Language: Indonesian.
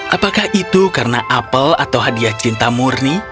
apakah itu karena apel atau hadiah cinta murni